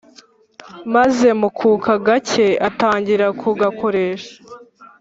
maze mukuka gake atangira kugakoresha